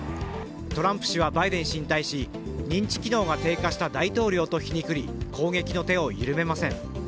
トランプ氏はバイデン氏に対し認知機能が低下した大統領と皮肉り攻撃の手を緩めません。